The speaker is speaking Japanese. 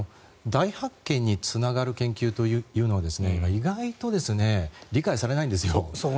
大発見につながる研究というのは意外と理解されないんですよ。